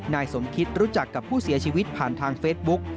นายสมคิตรู้จักกับผู้เสียชีวิตผ่านทางเฟซบุ๊ก